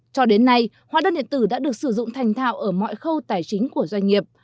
cho đến nay hóa đơn điện tử đã được sử dụng thành thạo ở mọi khâu tài chính của doanh nghiệp